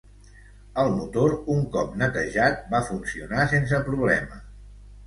El motor, un cop netejat, va funcionar sense problemes.